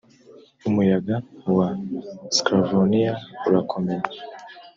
'umuyaga wa sclavoniya urakomeye,